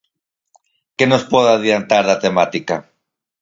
Que nos pode adiantar da temática?